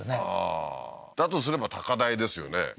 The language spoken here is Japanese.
ああーだとすれば高台ですよね